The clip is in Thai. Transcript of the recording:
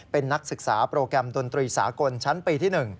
เป็นนักศึกษาโปรแกรมดนตรีสากลชั้นปีที่๑